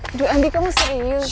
aduh andi kamu serius